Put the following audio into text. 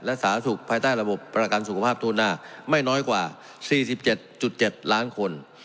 และสาธารณสุขภายใต้ระบบประกันสุขภาพทั่วหน้าไม่น้อยกว่า๔๗๗ล้านคน